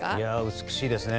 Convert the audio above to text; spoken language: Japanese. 美しいですね。